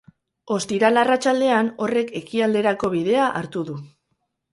Ostiral arratsaldean, horrek ekialderako bidea hartu du.